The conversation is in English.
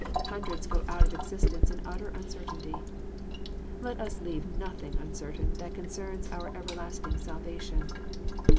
Hundreds go out of existence in utter uncertainty. — Let us leave nothing uncertain that concerns our everlasting salvation.